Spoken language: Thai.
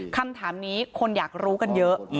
คำถามนี้คนอยากรู้กันเยอะ